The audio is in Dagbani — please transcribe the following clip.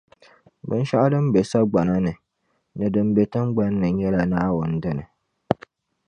Binshɛɣu din be sagbana ni, ni din be tiŋgbani ni nyɛla Naawuni dini.